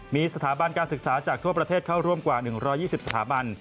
มีสถาบันการศึกษาจากทั่วประเทศเข้าร่วมกว่า๑๒๐สถาบัน